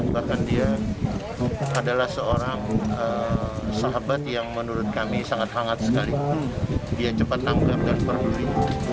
bahkan dia adalah seorang sahabat yang menurut kami sangat hangat sekali dia cepat tanggap dan peduli